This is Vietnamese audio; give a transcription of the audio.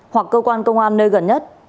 hoặc cơ quan công an nơi gần nhất